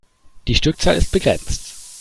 Die Stückzahl ist begrenzt.